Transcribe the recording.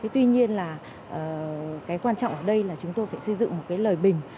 tuy nhiên quan trọng ở đây là chúng tôi phải xây dựng một lời bình